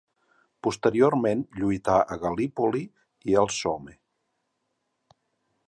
Posteriorment lluità a Gal·lípoli i al Somme.